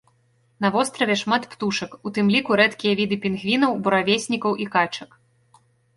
На востраве шмат птушак, у тым ліку рэдкія віды пінгвінаў, буравеснікаў і качак.